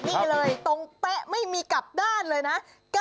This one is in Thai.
นี่เลยตรงเป๊ะไม่มีกลับด้านเลยนะ